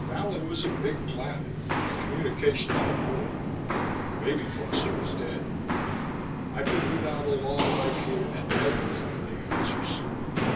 Vallon was a big planet and communications were poor. Maybe Foster was dead. I could live out a long life here and never find the answers.